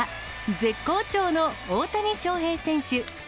絶好調の大谷翔平選手。